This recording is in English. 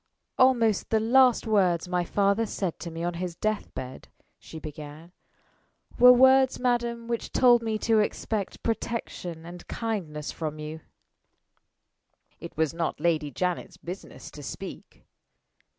"Almost the last words my father said to me on his death bed," she began, "were words, madam, which told me to expect protection and kindness from you." It was not Lady Janet's business to speak.